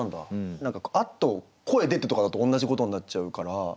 何か「アッと声出て」とかだと同じことになっちゃうから。